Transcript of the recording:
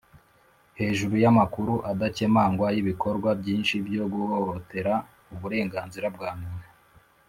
hejuru y'amakuru adakemangwa y'ibikorwa byinshi byo guhohotera uburenganzira bwa muntu